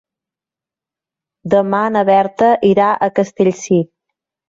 Demà na Berta irà a Castellcir.